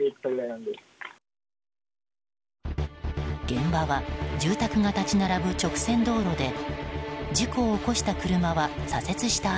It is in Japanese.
現場は住宅が立ち並ぶ直線道路で事故を起こした車は左折した